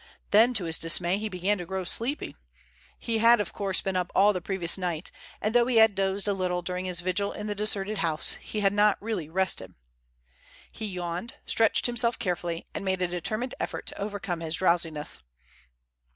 Then to his dismay he began to grow sleepy. He had of course been up all the previous night, and though he had dozed a little during his vigil in the deserted house, he had not really rested. He yawned, stretched himself carefully, and made a determined effort to overcome his drowsiness.